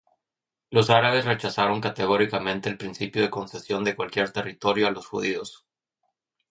Los árabes rechazaron categóricamente el principio de concesión de cualquier territorio a los judíos.